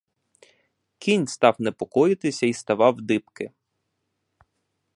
Кінь став непокоїтися і ставав дибки.